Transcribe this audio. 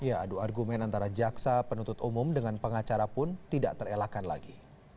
ya adu argumen antara jaksa penuntut umum dengan pengacara pun tidak terelakkan lagi